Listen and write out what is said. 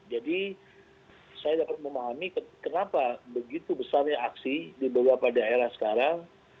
jadi saya dapat memahami kenapa begitu besarnya aksi di beberapa daerah sekarang